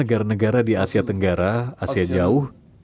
negara negara di asia tenggara asia jauh